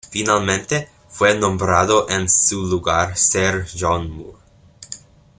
Finalmente fue nombrado en su lugar Sir John Moore.